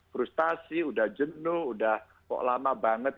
frustasi sudah jenuh sudah lama banget